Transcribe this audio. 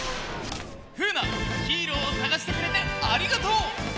ふうなヒーローをさがしてくれてありがとう！